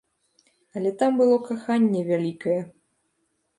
Але там было каханне вялікае.